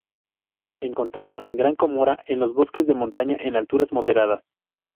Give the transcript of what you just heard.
Encontrado en Gran Comora en los bosques de montaña en alturas moderadas.